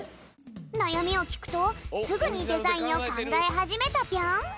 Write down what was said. なやみをきくとすぐにデザインをかんがえはじめたぴょん。